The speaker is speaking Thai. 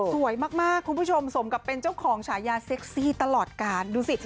สวยมากคุณผู้ชมสมกับเป็นเจ้าของฉายาเซ็กซี่ตลอดกาลดูสิ